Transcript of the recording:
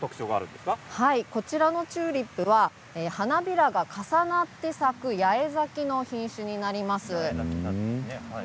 こちらのチューリップは花びらが重なって咲く八重咲きの品種になります。